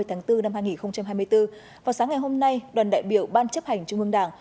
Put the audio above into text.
hai mươi tháng bốn năm hai nghìn hai mươi bốn vào sáng ngày hôm nay đoàn đại biểu ban chấp hành trung ương đảng